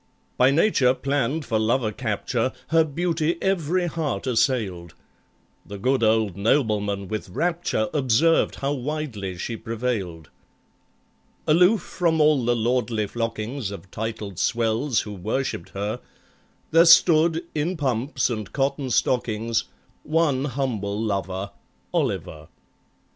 By Nature planned for lover capture, Her beauty every heart assailed; The good old nobleman with rapture Observed how widely she prevailed Aloof from all the lordly flockings Of titled swells who worshipped her, There stood, in pumps and cotton stockings, One humble lover—OLIVER.